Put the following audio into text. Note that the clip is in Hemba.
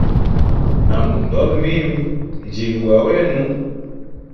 Na ngu ndola mimi, njili gwa wenu.